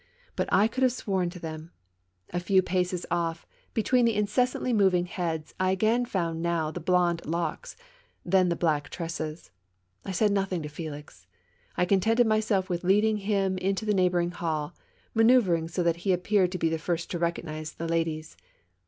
But I could have sworn to them. A few paces off, between the incessantly moving heads, I again found now the blonde locks, then the black tresses. I said nothing to Felix ; I contented myself with leading him into the neighboring hall, manoeuvering so that he appeared to be the first torecogr nize the ladies.